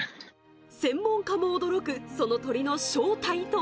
専門家も驚く、その鳥の正体